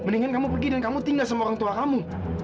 mendingan kamu pergi dan kamu tinggal sama orang tua kamu